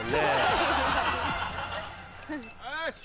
・よし！